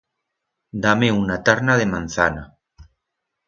Da-me una tarna de manzana.